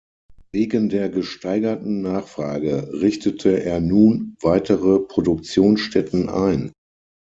Wegen der gesteigerten Nachfrage richtete er nun weitere Produktionsstätten ein.